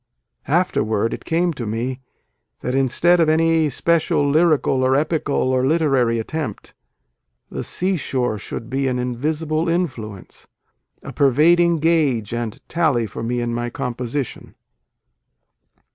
Afterward it came to me that instead of any special lyrical or epical or literary attempt, the seashore should be an invisible influence, a pervading gauge and tally for me in my composition."